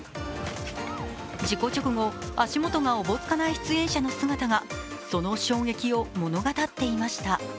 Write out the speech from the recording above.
事故直後、足元がおぼつかない出演者の姿がその衝撃を物語っていました。